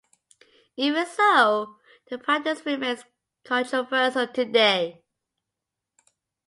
Even so, the practice remains controversial today.